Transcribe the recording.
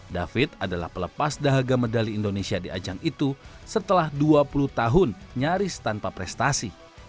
david adalah pelepas dahaga medali indonesia di ajang itu setelah dua puluh tahun nyaris tanpa prestasi